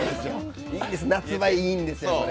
夏場いいんですよ。